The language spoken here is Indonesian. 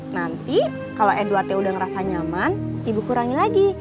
nanti kalau edwardnya udah ngerasa nyaman ibu kurangi lagi